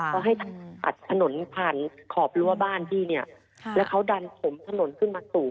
เขาให้อัดถนนผ่านขอบรั้วบ้านพี่เนี่ยแล้วเขาดันถมถนนขึ้นมาสู่